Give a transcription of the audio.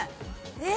えっ？